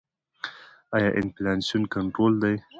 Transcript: آیا انفلاسیون کنټرول دی؟